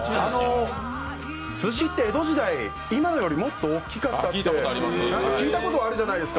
すしって江戸時代、今のよりもっと大きかったって聞いたことがあるじゃないですか。